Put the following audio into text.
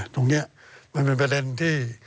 ตรงนี้มันเป็นประเด็นที่